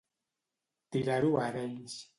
Tirar-ho a Arenys.